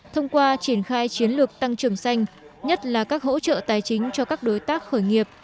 thông qua triển khai chiến lược tăng trưởng xanh nhất là các hỗ trợ tài chính cho các đối tác khởi nghiệp